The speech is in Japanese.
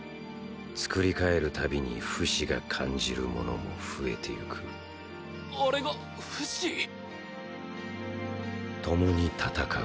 作り替えるたびにフシが感じるものも増えていくあれがフシ⁉ともに戦う。